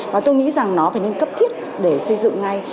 và tôi nghĩ rằng nó phải nên cấp thiết để xây dựng ngay